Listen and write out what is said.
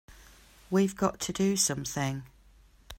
We've got to do something!